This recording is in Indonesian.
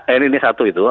ini ini satu itu